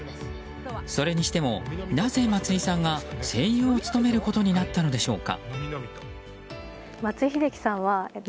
それにしても、なぜ松井さんが声優を務めることになったのでしょうか。